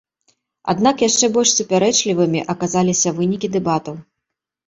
Аднак яшчэ больш супярэчлівымі аказаліся вынікі дэбатаў.